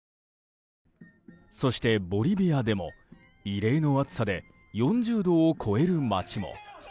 そして、ボリビアでも異例の暑さで４０度を超える町も。